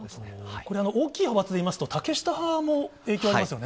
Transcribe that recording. これは大きい派閥でいいますと、竹下派も影響ありますよね。